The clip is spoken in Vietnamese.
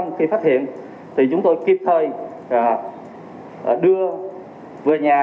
các ca f khi phát hiện thì chúng tôi kịp thời đưa về nhà